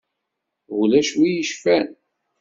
Ulac win i yecfan.